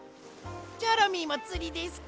チョロミーもつりですか？